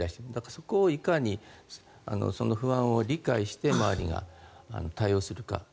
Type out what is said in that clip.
そこをいかに不安を周りが理解して対応するか。